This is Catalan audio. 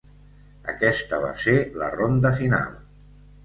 Aquesta va ser la ronda final.